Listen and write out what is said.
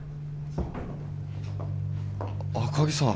赤城さん